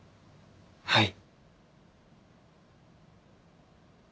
はい。